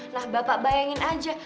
nah bapak bayangin aja